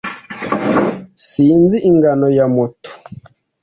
Sinzi ingano ya moto.